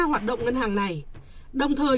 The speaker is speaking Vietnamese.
hoạt động ngân hàng này đồng thời